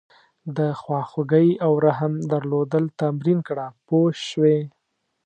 د خواخوږۍ او رحم درلودل تمرین کړه پوه شوې!.